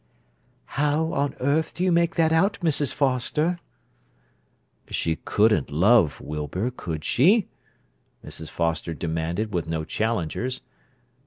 "How on earth do you make that out, Mrs. Foster?" "She couldn't love Wilbur, could she?" Mrs. Foster demanded, with no challengers.